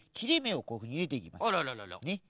あらららら。